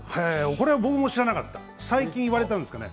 これ、僕も知らなかった最近、言われているんですかね